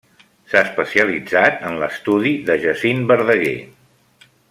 S'ha especialitzat en l'estudi de Jacint Verdaguer.